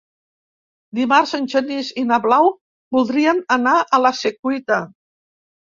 Dimarts en Genís i na Blau voldrien anar a la Secuita.